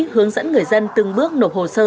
hướng dẫn người dân từng bước nộp hồ sơ